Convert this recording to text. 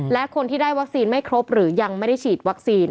และคนที่ได้วัคซีนไม่ครบหรือยังไม่ได้ฉีดวัคซีน